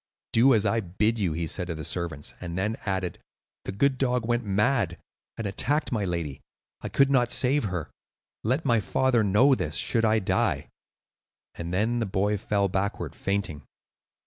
"Do as I bid you," he said to the servants, and then added, "The good dog went mad, and attacked my lady. I could not save her. Let my father know this, should I die;" and then the boy fell backward, fainting.